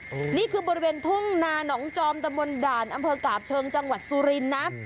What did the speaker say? โอ้โหนี่คือบริเวณทุ่งนาหนองจอมตะมนต์ด่านอำเภอกาบเชิงจังหวัดสุรินทร์นะ